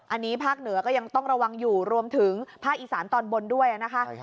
อันนี้ภาคเหนือก็ยังต้องระวังอยู่รวมถึงภาคอีสานตอนบนด้วยนะคะ